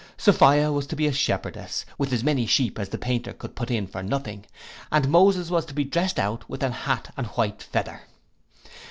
Sophia was to be a shepherdess, with as many sheep as the painter could put in for nothing; and Moses was to be drest out with an hat and white feather.